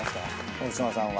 大島さんは。